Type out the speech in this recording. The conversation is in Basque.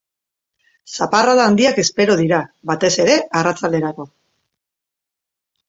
Zaparrada handiak espero dira, batez ere arratsalderako.